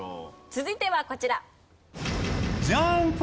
続いてはこちら。